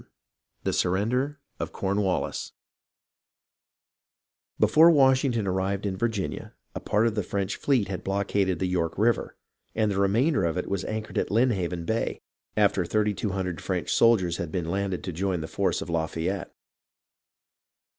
CHAPTER XXXV THE SURRENDER OF CORNWALLIS Before Washington arrived in Virginia a part of tlie French fleet had blockaded the York River, and the re mainder of it was anchored at Lynhaven (or Lynn Haven) Bay, after thirty two hundred French soldiers had been landed to join the force of Lafayette.